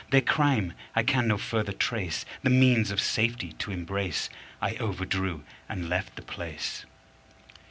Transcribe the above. Their crime I can no further trace The means of safety to embrace, I overdrew and left the place.